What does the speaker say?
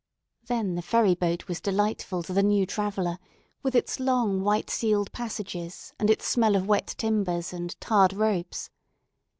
Then the ferry boat was delightful to the new traveller, with its long, white ceiled passages, and its smell of wet timbers and tarred ropes.